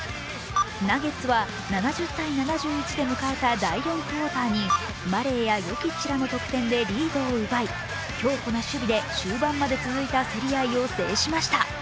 ナゲッツは７０−７１で迎えた第４クオーターにマレーやヨキッチらの得点でリードを奪い強固な守備で終盤まで続いた競り合いを制しました。